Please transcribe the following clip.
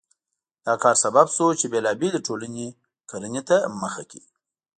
دا کار سبب شو چې بېلابېلې ټولنې کرنې ته مخه کړي.